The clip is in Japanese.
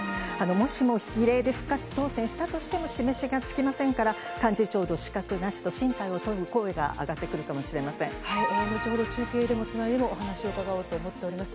もしも比例で復活当選したとしても、示しがつきませんから、幹事長の資格なしと進退を問う声後ほど中継をつないで、お話を伺おうと思っております。